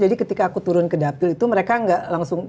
jadi ketika aku turun ke dapil itu mereka gak langsung